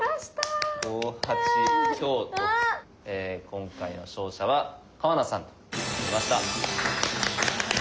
今回の勝者は川名さんとなりました。